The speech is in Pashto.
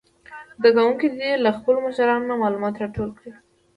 زده کوونکي دې له خپلو مشرانو نه معلومات راټول کړي.